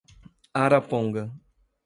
Araponga